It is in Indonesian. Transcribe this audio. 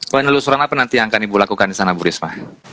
penelusuran apa nanti yang akan ibu lakukan di sana bu risma